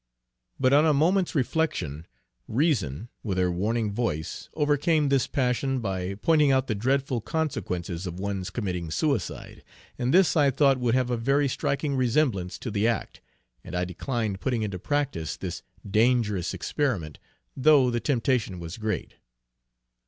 But on a moment's reflection, reason with her warning voice overcame this passion by pointing out the dreadful consequences of one's committing suicide. And this I thought would have a very striking resemblance to the act, and I declined putting into practice this dangerous experiment, though the temptation was great.